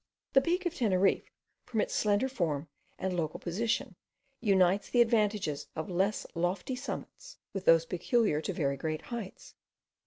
The peak of Teneriffe, from its slender form and local position, unites the advantages of less lofty summits with those peculiar to very great heights.